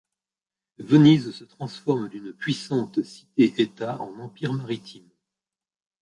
Venise se transforme d'une puissante cité-État en empire maritime.